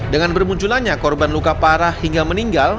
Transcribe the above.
dengan bermunculannya korban luka parah hingga meninggal